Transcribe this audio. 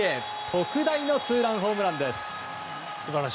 特大のツーランホームランです。